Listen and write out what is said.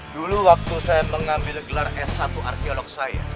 dulu waktu saya mengambil gelar s satu arkeolog saya